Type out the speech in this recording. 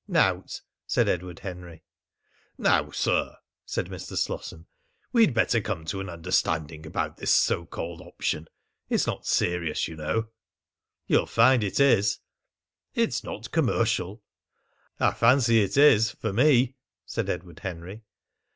"Nowt!" said Edward Henry. "Now, sir," said Mr. Slosson, "we'd better come to an understanding about this so called option. It's not serious, you know." "You'll find it is." "It's not commercial." "I fancy it is for me!" said Edward Henry.